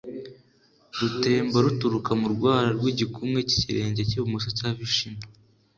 rutemba ruturuka mu rwara rw’igikumwe cy’ikirenge cy’ibumoso cya vishinu.